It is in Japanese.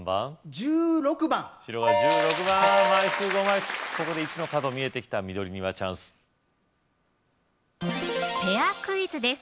１６番白が１６番枚数５枚ここで１の角見えてきた緑にはチャンスペアクイズです